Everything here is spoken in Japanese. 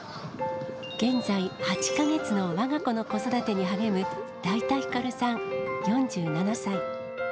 現在８か月のわが子の子育てに励む、だいたひかるさん４７歳。